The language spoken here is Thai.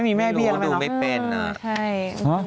ไม่รู้ดูไม่เป็นอ่ะครับ